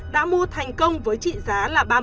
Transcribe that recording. đã mua thành công với trị giá là